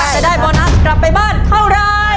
จะได้โบนัสกลับไปบ้านเท่าไร